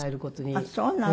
あっそうなの。